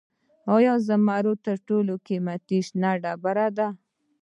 آیا زمرد تر ټولو قیمتي شنه ډبره ده؟